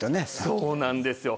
そうなんですよ。